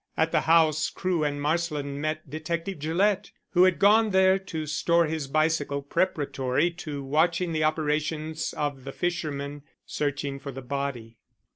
At the house Crewe and Marsland met Detective Gillett, who had gone there to store his bicycle preparatory to watching the operations of the fishermen searching for the body.